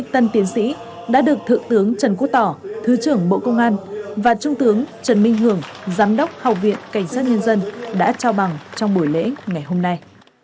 tân tiến sĩ đã được thượng tướng trần quốc tỏ thứ trưởng bộ công an và trung tướng trần minh hưởng giám đốc học viện cảnh sát nhân dân đã trao bằng trong buổi lễ ngày hôm nay